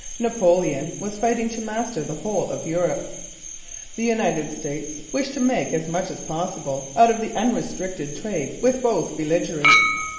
Napoleon was fighting to master the whole of Europe. The United States wished to make as much as possible out of unrestricted trade with both belligerents.